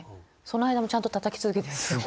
その間もちゃんとたたき続けてるんですよ。